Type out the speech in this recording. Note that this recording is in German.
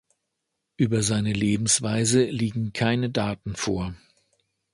Über seine Lebensweise liegen keine Daten vor.